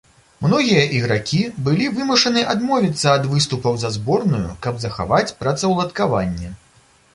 Многія ігракі былі вымушаны адмовіцца ад выступаў за зборную, каб захаваць працаўладкаванне.